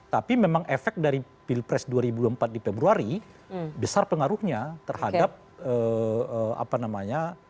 tapi memang efek dari pilpres dua ribu empat di februari besar pengaruhnya terhadap apa namanya